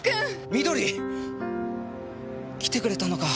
美登里！？来てくれたのか？